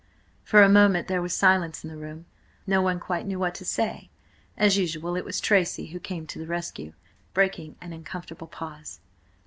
For a moment there was silence in the room. No one quite knew what to say. As usual, it was Tracy who came to the rescue, breaking an uncomfortable pause.